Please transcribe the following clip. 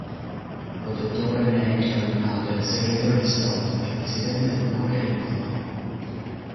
Protettore ne è il cardinale segretario di Stato e presidente d'onore il papa.